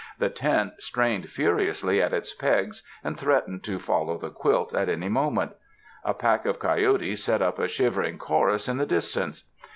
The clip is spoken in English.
The tent strained furiously at its pegs and threatened to fol low the quilt at any moment. A pack of coyotes set up a shivering chorus in the distance.